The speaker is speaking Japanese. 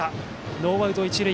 ノーアウト、一塁。